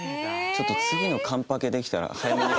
ちょっと次の完パケできたら早めに。